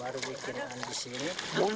baru bikin di sini